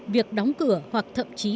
việc đóng cửa hoặc thậm chí